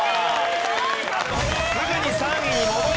すぐに３位に戻ります。